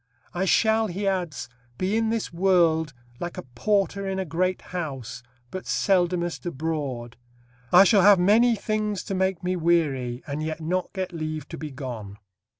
I shall," he adds, "be in this world, like a porter in a great house, but seldomest abroad; I shall have many things to make me weary, and yet not get leave to be gone."